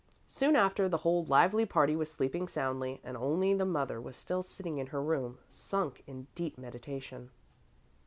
Soon after, the whole lively party was sleeping soundly and only the mother was still sitting in her room, sunk in deep meditation.